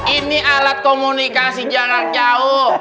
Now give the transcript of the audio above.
ini alat komunikasi jarak jauh